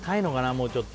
もうちょっと。